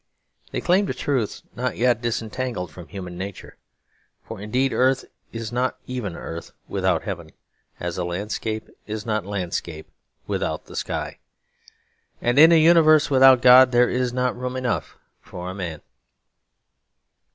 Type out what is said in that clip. They claimed a truth not yet disentangled from human nature; for indeed earth is not even earth without heaven, as a landscape is not a landscape without the sky. And in, a universe without God there is not room enough for a man.